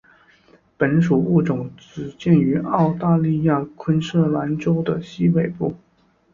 本属物种只见于澳大利亚昆士兰州的西北部。